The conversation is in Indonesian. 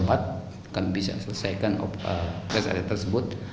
kami bisa selesaikan rest area tersebut